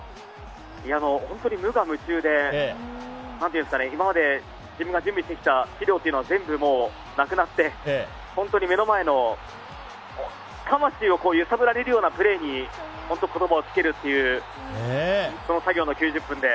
本当に無我夢中で今まで、自分が準備してきた資料というのは全部なくなって目の前の魂を揺さぶられるようなプレーに言葉を付けるという作業の９０分で。